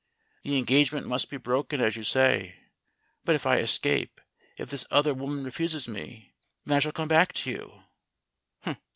The engagement must be broken, as you say. But if I escape if this other woman refuses me, then I shall come back to you."